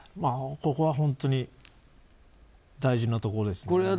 ここは本当に大事なところですね。